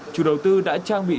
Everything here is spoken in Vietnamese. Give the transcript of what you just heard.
chủ đầu tư đã trang bị